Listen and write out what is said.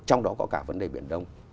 trong đó có cả vấn đề biển đông